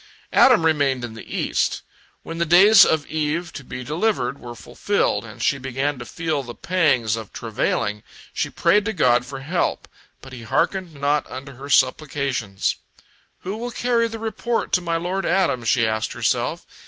Adam remained in the east. When the days of Eve to be delivered were fulfilled, and she began to feel the pangs of travailing, she prayed to God for help. But He hearkened not unto her supplications. "Who will carry the report to my lord Adam?" she asked herself.